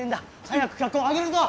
早く脚本あげるぞ！